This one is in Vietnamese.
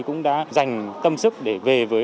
cũng đã dành tâm sức để về với